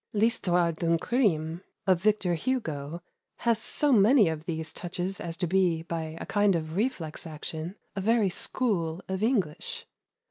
"L'Histoire d'un Crime," of Victor Hugo, has so many of these touches as to be, by a kind of reflex action, a very school of English.